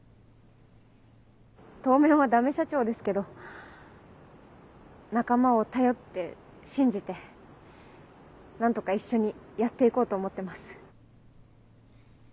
当面はダメ社長ですけど仲間を頼って信じて何とか一緒にやって行こうと思ってます。